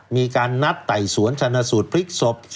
มีการนัดไต่สวนชนสูตรพลิกศพ